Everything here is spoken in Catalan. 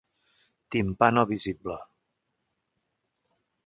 Timpà no visible.